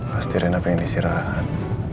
pasti riana pengen istirahat